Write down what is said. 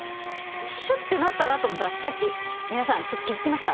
シュッて鳴ったなと思ったらさっき皆さんちょっと気付きました？